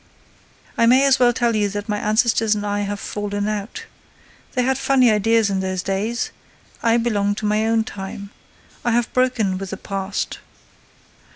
"I may as well tell you that my ancestors and I have fallen out. They had funny ideas in those days. I belong to my own time. I have broken with the past."